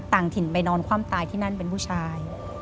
ต่างถิ่นไปนอนความตายที่นั่นเป็นผู้ชาย